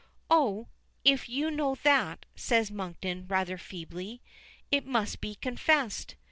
"Oh! if you know that," says Monkton rather feebly, it must be confessed.